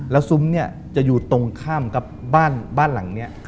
แล้วซุ้มเนี่ยจะอยู่ตรงข้ามกับบ้านหลังนี้